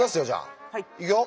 いくよ。